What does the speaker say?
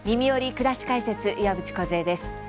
くらし解説」岩渕梢です。